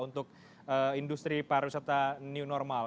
untuk industri pariwisata new normal